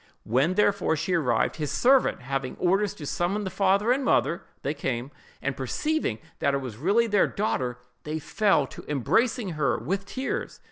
When, therefore, she arrived, his servant having had orders to summon the father and mother, they came; and perceiving that it was really their daughter, they fell to embracing her, with tears.